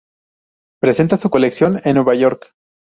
Presenta su colección en Nueva York.